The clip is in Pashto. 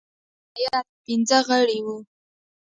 د دې هیات پنځه غړي وه.